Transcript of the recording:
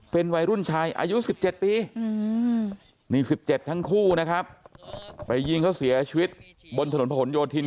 เป็นวัยรุ่นชายอายุ๑๗ปีนี่๑๗ทั้งคู่นะครับไปยิงเขาเสียชีวิตบนถนนผนโยธิน